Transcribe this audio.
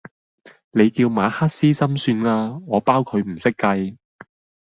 你叫馬克思心算啊，我包佢唔識計!